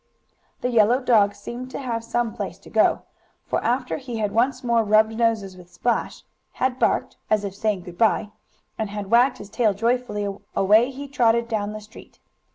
The yellow dog seemed to have some place to go. For, after he had once more rubbed noses with Splash, had barked, as if saying good bye, and had wagged his tail joyfully, away he trotted down the street.